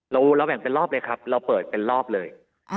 เราแบ่งเป็นรอบเลยครับเราเปิดเป็นรอบเลย